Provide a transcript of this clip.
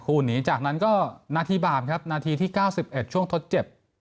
คูณีจากนั้นก็นาทีบาปครับนาทีที่เก้าสิบเอ็ดช่วงทดเจ็บ